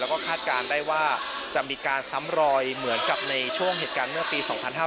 แล้วก็คาดการณ์ได้ว่าจะมีการซ้ำรอยเหมือนกับในช่วงเหตุการณ์เมื่อปี๒๕๕๙